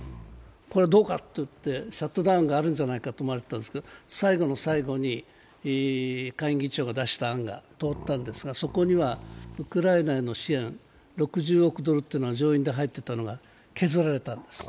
これはどうかといってシャットダウンがあると思われていたんですけど、最後の最後に下院議長が出した案が通ったんですがそこにはウクライナへの支援、６６億ドルっていうのが、上院で入っていたのが削られたんです。